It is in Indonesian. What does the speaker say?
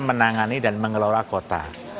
menangani dan mengelola kota